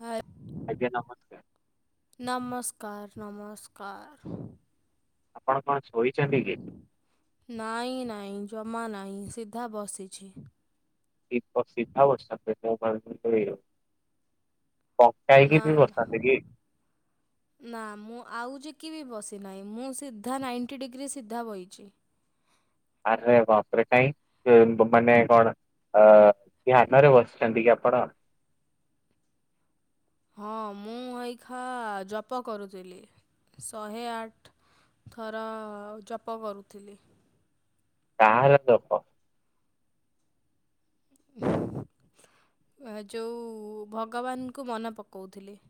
ର ଆଜ୍ଞା ନମସ୍କାର। ନମସ୍କାର। ନମସ୍କାର। ଆପଣ କଣ? ଶୋଇଛନ୍ତି କି? ନାଇଁ ନାଇ। ନାଇ ଜମା ନାହିଁ ସିଧା ବସିଛି। [unintelligible] ହେଇକି ନା ବି ବସିଛନ୍ତି କି? ନା ମୁଁ ଆଉ କିବି ବସିନାହିଁ ମୁଁ ସିଧା ନାଇଣ୍ଟି ଡିଗ୍ରୀ ସିଧା ବହିଛି। ଆରେ ବାପରେ କାଇଁ ମାନେ କଣ? ଧ୍ୟାନରେ ବସିଛନ୍ତି କି ଆପଣ? ହଁ ମୁଁ ଏଇଖା ଜପ କରୁଥିଲି ଶହେ ଆଠ ଥର ଜପ କରୁଥିଲି। କାଲ ଦପ ଯୋଉ ଭଗବାନଙ୍କୁ ମନେ ପକାଉଥିଲେ।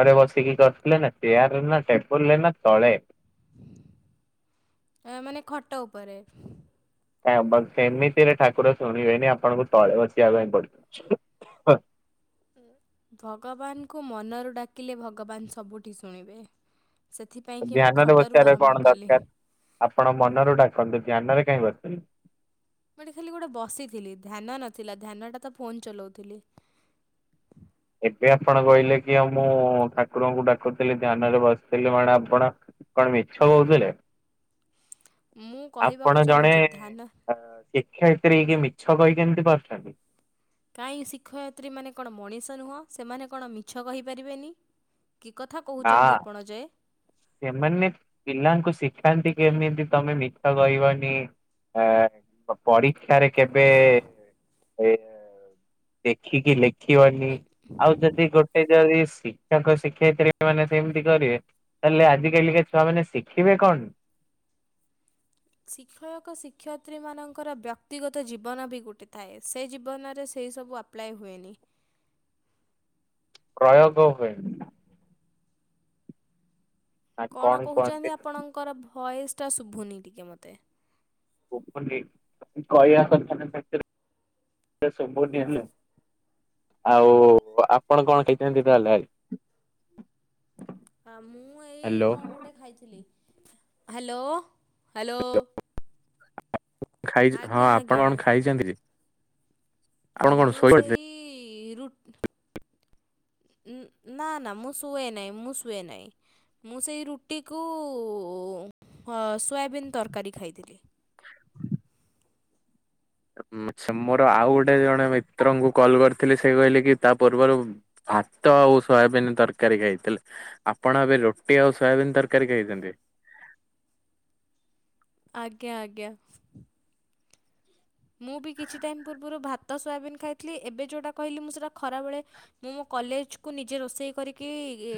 ଆରେ ବସିକି କରିଥିଲେ ନା ଚେୟାର ନା ଟେବୁଲ ରେ ନା ତଳେ ଆ ମାନେ ଖଟ ଉପରେ ସେମିତିରେ ଠାକୁର ଶୁଣିବେନି ଆପଣଙ୍କୁ ତଳେ ବସିବା ପାଇଁ ପଡିବ। ହଁ। ଭଗବାନଙ୍କୁ ମନରୁ ଡାକିଲେ ଭଗବାନ ସବୁଠି ଶୁଣିବେ ସେଥିପାଇଁକି ମୁଁ ଧ୍ୟାନରେ ଖଟରୁ ବସିବାର ଆରମ୍ଭ କଣ କଲି। ଦରକାର ଆପଣ ମନରୁ ଡାକନ୍ତୁ ଧ୍ୟାନରେ କାଇଁ ବସି ଗୋଟେ ଖାଲି ଗୋଟେ ବସିଥିଲି ଧ୍ୟାନ ନଥିଲା ଧ୍ୟାନଟା ତ ଫୋନ ଚଲାଉଥିଲି। ହ ଏବେ ଆପଣ କହିଲେ କି ଆଉ ମୁଁ ଠାକୁରଙ୍କୁ ଡାକୁଥିଲି ଧ୍ୟାନ ରେ ବସିଥିଲି ମାନେ ଆପଣ? କଣ ମିଛ କହୁଥିଲେ? ମୁଁ କହିବାକୁ ଆପଣ ଜଣେ ଚାହୁଁଛି ଧ୍ୟାନ ଶିକ୍ଷୟିତ୍ରୀ କି? ଛ କହି କେମିତି ପାରୁଛନ୍ତି। କାହିଁ ଶିକ୍ଷୟତ୍ରୀ ମାନେ କଣ ମଣିଷ ନୁହଁ ସେମାନେ କଣ ମିଛ କହିପାରିବେନି? କି କଥା ନା କହୁଛନ୍ତି ଆପଣ ଯେ? ସେମାନେ ପିଲାଙ୍କୁ ଶିଖାନ୍ତି ଏମିତି ତମେ ମିଛ କହିବନି। ଆ ପରୀକ୍ଷାରେ କେବେ ଏ ଦେଖିକି ଲେ ଖିବନି ଆଉ ଯଦି ଗୋଟେ ଯଦି ଶିକ୍ଷକ ଶିକ୍ଷୟିତ୍ରୀ ମାନେ ସେମିତି କରିବେ ତାହେଲେ ଆଜ କାଲିକା ଛୁଆ ମାନେ ଶିଖିବେ କଣ? ଶିକ୍ଷକ ଶିକ୍ଷୟତ୍ରୀ ମାନଙ୍କର ବ୍ୟକ୍ତିଗତ ଜୀବନ ବି ଗୋଟେ ଥାଏ ସେ ଜୀବନରେ ସେ ସେ ସବୁ ଆପ୍ଲାଏ ହୁଏନି କ୍ରୟୋଗ ହୁଏନି। ନା କଣ କୁହନ୍ତି କହୁଛନ୍ତି ଆପଣଙ୍କର ଭଏସ ଟା ଶୁଭୁନି ଟିକେ ମୋତେ। ଶୁଭୁନି କଇବା କଥା ନା ନାଇ ତେବେ ଦସ ଶୁଭୁନି [unintelligible] ଆଉ ଆପଣ କଣ ଖାଇଛନ୍ତି ତାହେଲେ ଆଗ ହ ମୁଁ ଏଇ କଣ ଗୋଟେ ଖାଇଥିଲି ହ୍ୟାଲୋ। ହ୍ୟାଲୋ। [unintelligible] ଆଜ୍ଞା ହଁ ଆପଣ ଆଜ୍ଞା କଣ ଖାଇଛନ୍ତି କି? ଆପଣ କଣ ମୁଁ ଶୋଇପଡିଥିଲେ? ସେଇ ରୁଟ ନା ନା ମୁଁ ସୁଏ ନାଇ ମୁଁ ସୁଏ ନାଇ। ମୁଁ ସେଇ ରୁଟିକୁ ହଁ ସୋୟାବିନ୍ ତରକାରୀ ଖାଇଥିଲି। ଅଁ ମ ସ ମୋର ଆଉ ଗୋଟେ ଜଣେ ମିତ୍ରଙ୍କୁ କଲ କରିଥିଲି ସେ କହିଲେ କି ତା ପୂର୍ବରୁ ଭାତ ଆଉ ସୋୟାବିନ୍ ତରକାରୀ ଖାଇଥିଲେ ଆପଣ ଏବେ ରୁଟି ଆଉ ସୋୟାବିନ୍ ତରକାରୀ ଖାଇଛନ୍ତି? ଆଜ୍ଞା ଆଜ୍ଞା। ମୁଁ ବି କିଛି ଟାଇମ ପୂର୍ବରୁ ଭାତ ସୋୟାବିନ୍ ଖାଇଥିଲି ଏବେ ଯୋଉଟା କହିଲି ମୁଁ ସେଟା ଖରାବେଳେ ମୁଁ ମୋ କଲେଜକୁ ନିଜେ ରୋଷେଇ କରିକି ଇ-ଇ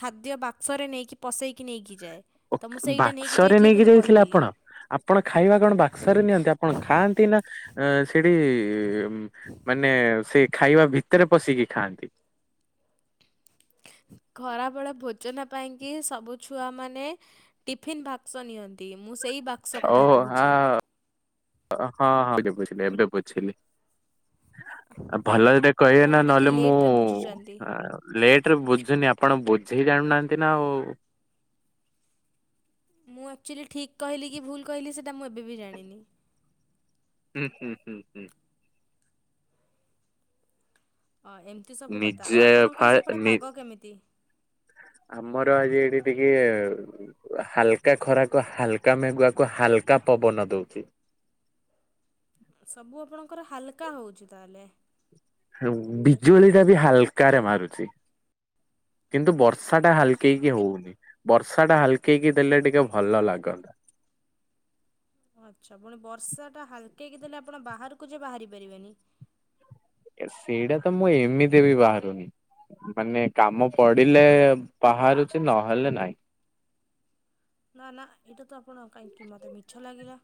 ଖାଦ୍ୟ ବାକ୍ସରେ ନେଇକି ପସେଇକି ନେଇକି ଯାଏ। ଓ ତ ମୁଁ ସେଇଟା ବାକ୍ସରେ ଯାଇଥିଲି ନେଇକି ବୋଲି ଯାଇଥିଲେ କହିଦେଲି। ଆପଣ? ଆପଣ ଖାଇବା କଣ ବାକ୍ସ ରେ ନିଅନ୍ତି ଆପଣ ଖାଆନ୍ତି ନା ଅଁ ଅଁ ସେଠି ଇ-ଇ ମାନେ ସେ ଖାଇବା ଭିତରେ ପଶିକି ଖାଆନ୍ତି? ଖରା ବଳେ ଭୋଜନ ପାଇଁ କିି ସବୁ ଛୁଆ ମାନେ ଟିଫିିନ ବାକ୍ସ ନିଅନ୍ତି। ମୁଁ ସେଇ ବାକ୍ସ ଓ କଥା ହ କହୁଛି। ହଁ ହଁ ବେ ବୁଝିଲି ଏବେ ବୁଝିଲି। ହଁ ଆଁ ଭଲ ଏଟା କହିବେ ଆପଣ ନା ଟିକେ ନହେଲେ ମୁଁ ଲେଟ୍ରେ ବୁଝୁଛନ୍ତି। ଅଁ ଲେଟ ରେ ବୁଝୁନି ଆପଣ ଝେଇ ଜାଣୁ ନାହାନ୍ତି ନା ଆଉ ମୁଁ ଆକ୍ଚୁଆଲି ଠିକ୍ କହିଲି କି ଭୁଲ କହିଲି ସେଇଟା ମୁଁ ଏବେ ବି ଜାଣିନି। ହୁଁ ହୁଁ ହୁଁ ହୁଁ। ହଁ ଏମିତି ସବୁ କଥା ଆଉ ନିଜେ ଫା ଆପଣଙ୍କର ସେପଟେ ନି ପାଗ କେମିତି? ଆମର ଆଜି ଏଠି ଟିକେ ହାଲକା ଖରାକୁ ହାଲକା ମେଗୁଆକୁ ହାଲକା କା ପବନ ଦଉଛି। ସବୁ ଆପଣଙ୍କର ହାଲକା ହେଉଛି ତାହେଲେ। ବିଜୁଳି ଟା ବି ହାଲକାରେ ମାରୁଛି କିନ୍ତୁ ବଷ ବର୍ଷା ଟା ଆଚ୍ଛା ହାଲକେଇକି ହଉନି ବର ଷା ଟା ହାଲକେଇକି ଦେଲେ ଟିକେ ଭଲ ଲାଗନ୍ତା ଆଛା ପୁଣି ବର୍ଷା ଟା ହାଲକେକିି ଦେଲେ ଆପଣ ବାହାରକୁ ଯେ ବାହାରି ପାରିବେନି। ସେଇଟା ତ ମୁଁ ଏମିତି ବି ବାହାରୁନି। ମାନେ କାମ ପଡିଲେ ବାହାରୁଛି ନହେଲେ ନାଇଁ। ନା ନା ଏଇଟା ତ ଆପଣ କାହିଁକି ମତେ ମିଛ ଲାଗିଲା।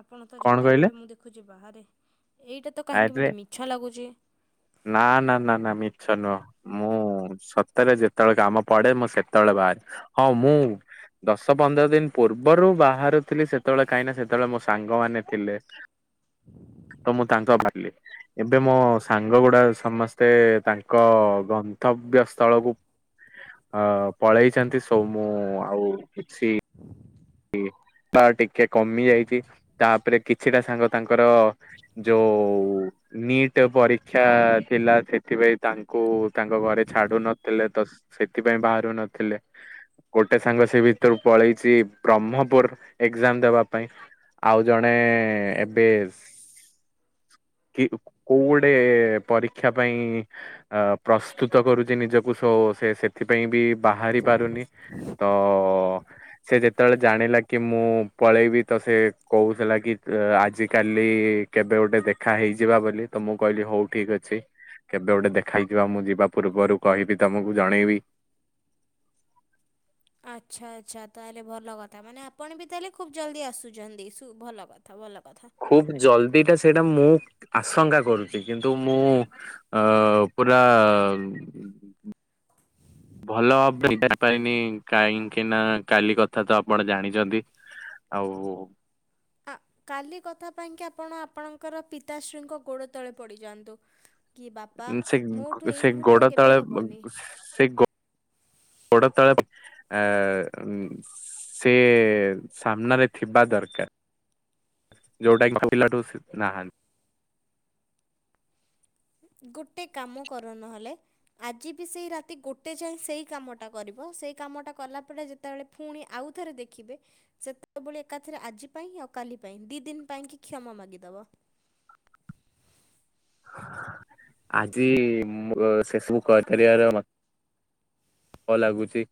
ଆପଣ ତ କଣ କହିଲେ ଯେତେବେଳେ ମୁଁ ଦେଖୁଛି ବାହାରେ ଏଇଟା ତ କାହିଁକି ଆରେ ମୋତେ ମିଛ ଲାଗୁଛି। ନା ନା ନା ନା ମିଛ ନୁହଁ ମୁଁ ହ ସତରେ ଯେତେବେଳେ କାମ ପଡେ ମୁଁ ସେତେବେଳେ ବାହାରେ ହଁ ମୁଁ ଦଶ ପନ୍ଦର ଦିନ ପୂର୍ବରୁ ବାହାରୁଥିଲି ସେତେବେଳେ କାହିଁକି ସେତେବେଳେ ମୋ ସାଙ୍ଗମାନେ ଥିଲେ। ତ ମୁଁ ତାଙ୍କ ବାହାରିଲି ଏବେ ମୋ ସାଙ୍ଗ ସାଙ୍ଗ ଗୁଡା ସମସ୍ତେ ତାଙ୍କ ଗନ୍ତବ୍ୟ ସ୍ଥଳକୁ ଅ ପଳେଇଛନ୍ତି ସଉ ମୁଁ ଆଉ କିଛି ତ ଟିକେ କମି ଯାଇଛି ତାପରେ କିଛିଟା ସାଙ୍ଗ ତାଙ୍କର ଯଉ ନିଟ୍ ପରୀକ୍ଷା ଥିଲା ସେଥିପାଇଁ ତାଙ୍କୁ ତାଙ୍କ ଘରେ ଛାଡୁ ନଥିଲେ ତ ସେ ସେଥିପାଇଁ ବାହାରୁ ନଥିଲେ, ଗୋଟେ ସାଙ୍ଗ ସେ ଭିତରୁ ପଳେଇଛି ବ୍ରହ୍ମପୁର ଏକ୍ଜାମ ଦେବା ପାଇଁ। ଆଉ ଜଣେ ଏବେ କି କୋଉ ଗୋଟେ ପରୀକ୍ଷା ପାଇଁ ଅ ପ୍ରସ୍ତୁତ କରୁଛି ନିଜକୁ ସୋ ସେ ସେଥିପାଇଁ ବି ବାହାରି ପାରୁନି, ତ ସେ ଯେ ଯେତେବେଳେ ଜାଣିଲା କି ମୁଁ ପଳେଇବି ତ ସେ କହୁଥିଲା କି ଆଜିକାଲି କେବେ ଗୋଟେ ଦେଖା ହେଇଯିବା ବୋଲି ତ ମୁଁ କହିଲି ହଉ ଠିକ ଅଛି। କେବେ ଗୋଟେ ଦେଖ ହେଇଯିବା, ମୁଁ ଯିବା ପୂର୍ବରୁ କହିବି ତମକୁ ଜଣେଇବି। ଆଚ୍ଛା ଆଚ୍ଛା ତାହେଲେ ଭଲ କଥା ମାନେ ଆପଣ ବି ତାହେଲେ ଖୁବ ଜଲ୍ଦି ଆସୁଛନ୍ତି ଶୁ ଭଲ କଥା ଭଲ କଥା। ଖୁବ ଜଲ୍ଦିଟା ସେ ଏଇଟା ମୁଁ ଆଶଙ୍କା କରୁଛି କିନ୍ତୁ ମୁଁ -ଅ- ପୁରା [inaudible] ଭଲ [inaudible] କାହିଁକି ନା କାଲି କଥା ତ ଆପଣ ଜାଣିଛନ୍ତି। ଆଉ ଆ କାଲି କଥା ପାଇଁକି ଆପଣ ଆପଣଙ୍କର ପିତାଶ୍ରୀଙ୍କ ଗୋଡ଼ ତଳେ ପଡ଼ିଯାଆନ୍ତୁ। କି ବାପା ମୋଠୁ ଏଇ ଭୁଲ ଆଉ ସେ-ସେ-ଗୋଡ କେବେ ତଳେ ପ ହବନି। ସେ ଗୋ ଗୋଡ ତଳେ ଆ-ସେ-ସାମ୍ନାରେ ଥିବା ଦରକାର। ଯୋଉଟା କି ପିଲାଠୁ ଶିଖୁନାହ ଗୋଟେ କାମ କର, ନହେଲେ ଆଜି ବି ସେଇ ରାତି ଗୋଟେ ଯାଏ ସେଇ କାମଟା କରିବ, ସେଇ କାମଟା କଲା ପରେ, ଯେତେବେଳେ ପୁଣି ଆଉ ଉଥରେ ଦେଖିବେ, ସେତେବେଳେ ଏକାଥରେ ଆଜି ପାଇଁ, ଆଉ କାଲି ପାଇଁ, ଦି ଦିନ ପାଇଁ କି କ୍ଷମା ମାଗିଦବ। [inaudible] ଆଜି ସେସବୁ କରି ପାରିବାର ଭ ଲାଗୁଛି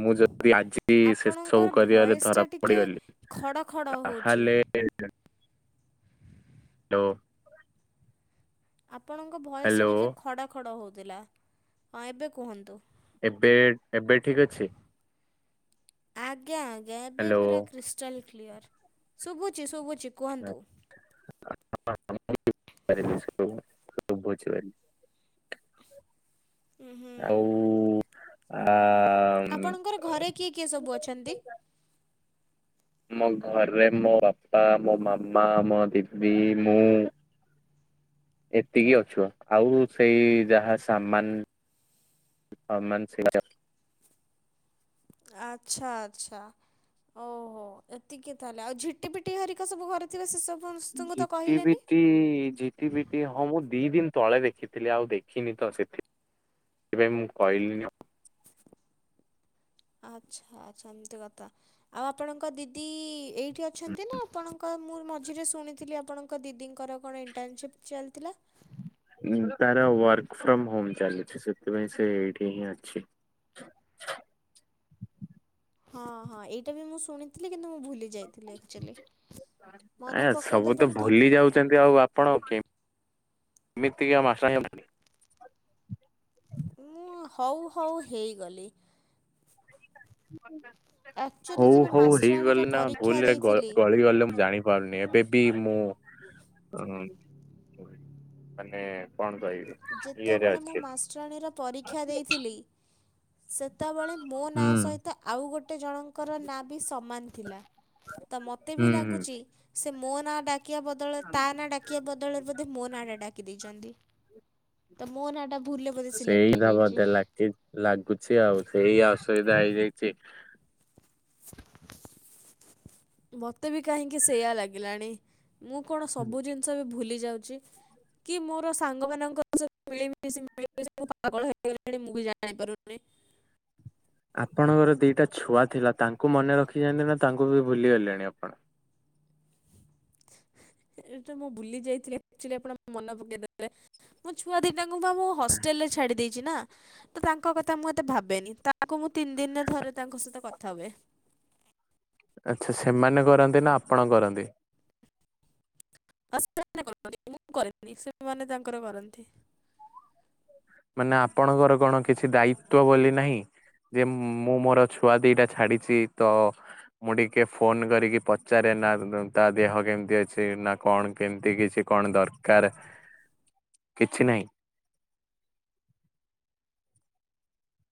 ମୁଁ ଯଦି ଆଜି ସେ ସବୁ ଆପଣଙ୍କର କରିବାରେ ଧରା ଭଏସଟା ଟିକେ ପଡିଗଲି, ଖଡ଼ ଖଡ଼ ତାହେଲେ [inaudible] [inaudible] [unintelligible] ଆପଣଙ୍କ ଭୟସ ହ୍ୟାଲୋ ଟିକିେ ଖଡ଼ ଖଡ଼ ହଉଥିଲା, ହଁ ଏବେ କୁହନ୍ତୁ। ଏବେ, ଏବେ ଠିକ ଅଛି? ଆଜ୍ଞା, ଆଜ୍ଞା, ଏବେ ହ୍ୟାଲୋ। ପୁରା କ୍ରିଷ୍ଟାଲ କ୍ଲିଅର, ଶୁଭୁଛି ଶୁଭୁ [inaudible] [unintelligible] ଅଛି ବା ହ ହୁଁ ହ ଆ ଆପଣଙ୍କର ଘରେ କିଏ କିଏ ସବୁ ଅଛନ୍ତି? ମୋ ଘରେ ମୋ ବାପା, ମୋ ମାମା, ମୋ ଦିଦି, ମୁଁ। ଏତିକି ଅଛୁ, ଆଉ ସେଇ ଯାହା ସାମାନ ସାମନ୍ ସେଇ ଅଛନ୍ତୀ। ଆଚ୍ଛା, ଆଚ୍ଛା। ଓହୋ, ଏତିକି ତାହେଲେ, ଆଉ ଝିଟିପିଟି ହରିକା ସବୁ ଘରେ ଥିବେ ସେସବୁ ଝିଟିପିଟି ଝିଟିପିଟି, ହଁ ମୁଁ ଦି ଦିନ ତଳେ ଦେଖି ଦେଖିଥିଲି, ଆଉ ଦେଖିନି ତ, ସେଥି-ସେଥିପାଇଁ ମୁଁ କହିଲିନି ଆଉ। ଆଚ୍ଛା ଆଚ୍ଛା, ଏମିତି କଥା, ଆଉ ଆପଣଙ୍କ ଦିଦି ଏଇଠି ଅଛନ୍ତି ନା ଆପଣଙ୍କ ମୁଁ ମଝିରେ ଶୁଣିଥିଲି, ଆପଣଙ୍କ ଦିଦିଙ୍କର କଣ ଇଣ୍ଟର୍ନସିପ୍ ଚାଲିଥିଲା? ତାର ୱାର୍କ ଫ୍ରମ୍‌ ହୋମ୍‌ ଚାଲିଛି, ସେଥିପାଇଁ ସେ ଏଇଠି ହିଁ ଅଛି। [inaudible] ହଁ ହଁ ଏଇଟା ବି ମୁଁ ଶୁଣିଥିଲି। କିନ୍ତୁ ମୁଁ ଭୁଲି ଯାଇଥିଲି ଆକ୍ଚୁଆଲି। ମନେ ଆଜ୍ଞା ସବୁ ତ ପକାଇଦେବାରୁ ଭୁଲି ଧନ୍ୟବାଦ। ଯାଉଚନ୍ତି ଆଉ ଆପଣ ଆ କେମତି? ଏମିତିକା [unintelligible] ମୁଁ ହଉ ହଉ ହେଇଗଲି। [unintelligible] ଏଫ୍ ହଉ ହଉ ହେଇଗଲି ନା ଭୁଲରେ ଦେଇଥିଲି ଗ-ଗଳିଗଲେ ମୁଁ ଜାଣିପାରୁନି ଏବେ ବି ମୁଁ। ହଁ ମାନେ କଣ କହିବି? ଇଏରେ ଯେତେବେଳେ ମୁଁ ଅଛି ମାଷ୍ଟରାଣୀର ପରୀକ୍ଷା ଦେଇଥିଲି। ସେ ତବେଳେ ମୋ ନାଁ ହୁଁ ସହିତ ଆଉ ଗୋଟେ ଜଣଙ୍କର ନାଁ ବି ସମାନ ଥିଲା। ତ ମୋତେ ବି ହୁଁ ହୁଁ। ଲାଗୁଛି ସେ ମୋ ନାଁ ଡା କିବା ବଦଳରେ ତା ନାଁ ଡାକିବା ବଦଳରେ ବୋଧେ ମୋ ନାଁଟା ଡାକି ଦେଇଚନ୍ତି। ତ ମୋ ନାଁଟା ସିଲେକ୍ଟ ସେଇ ତ ହେଇଯାଇଛି। ବଧେ ଲାଗି ଲାଗୁଛି ଆଉ ସେଇ ଅସୁବିଧା ହେଇଯାଇଚି। ମତେ ବି କାହିଁକି ସେଇୟା ଲାଗିଲାଣି। ମୁଁ କଣ ସବୁ ଜିନିଷ ବି ଭୁଲି ଯାଉଚି କି ମୋର ସାଙ୍ଗ ମାନଙ୍କ ସ ମିଳିମିଶି [unintelligible] ପାଗଳ ହେଇଗଲିଣି ମୁଁ ବି ଜାଣି ପାରୁନି। ଆପଣଙ୍କର ଦିଟା ଛୁଆ ଥିଲା ତାଙ୍କୁ ମନେ ରଖିଚନ୍ତି ନା ତାଙ୍କୁ ବି ଭୁଲିଗଲେଣି ଆପଣ? ଏଇଟା ମୁଁ ଭୁଲି ଯାଇଥିଲି ଆକଚୁଲି ଆପଣ ମନ ପକେଇଦେଲେ ମୋ ଛୁଆ ଦିଟା କୁ ମୁଁ ପା ମୋ ହଷ୍ଟେଲ ରେ ଛାଡ଼ି ଦେଇଚି ନା ତ ତାଙ୍କ କଥା ମୁଁ ଏତେ ଭାବେନି ତାଙ୍କୁ ମୁଁ ତିନି ଦିନ ଥରେ ତାଙ୍କ ସହିତ କଥା ହୁଏ। ଆଛା ସେମାନେ କରନ୍ତି ନା ଆପଣ କରନ୍ତି? ସେମାନେ କରନ୍ତି ମୁଁ କରେନି ସେମାନେ ତାଙ୍କର କରନ୍ତି। ମାନେ ଆପଣଙ୍କର କଣ କିଛି ଦାୟିତ୍ୱ ବୋଲି ନାହିଁ? ଯେ ମୁଁ ମୋର ଛୁଆ ଦିଟା ଛାଡିଚି ତ ମୁଁ ଟିକେ ଫୋନ କରିକି ପଚାରେ? ନା ତା ଦେହ କେମିତି ଅଛି ନା କଣ କେମିତି କିଛି କଣ ଦରକାର। କିଛି ନାହିଁ।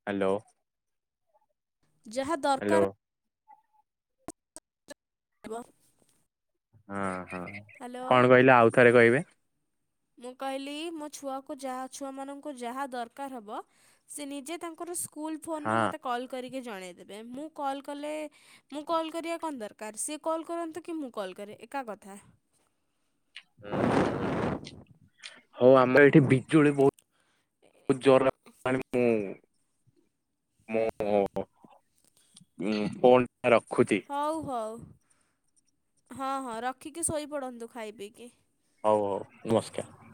ହାଲୋ। ଯାହା ଦରକାର [unintelligible] ହଁ ହଁ ହ୍ୟାଲୋ କଣ କହିଲ ଆଉ ଥରେ କହିବେ? ମୁଁ କହିଲି ମୋ ଛୁଆକୁ ଛୁଆମାନଙ୍କୁ ଯାହା ଦରକାର ହବ ସେ ନିଜେ ତାଙ୍କର ସ୍କୁଲ୍ ଫୋନରୁୁ ହଁ। ମୋତେ କଲ୍ କରି କି ଜଣେଇଦବେ ମୁଁ କଲ୍ କଲେ ମୁଁ କଲ୍ କରିବା କଣ ଦରକାର ସିଏ କଲ୍ କରନ୍ତୁ କି ମୁଁ କଲ୍ କରେ ଏକା କଥା। ହଁ ହଁ ହଉ ଆମର ଏଠି ବିଜୁଳି ବହୁ ଜୋର [unintelligible] ମାନେ ମୁଁ ମୁଁ ଉ ପୋ ହଉ ହଉ ହଁ ହଁ ରଖିକି ଶୋଇପଡ଼ନ୍ତୁ ଖାଇ ପିଇକି। ହଉ ହଉ ନମସ୍କାର।